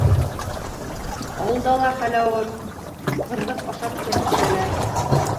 Ауылда ла хәл ауыр, ҡырҙыҡ ашап көн күрәләр.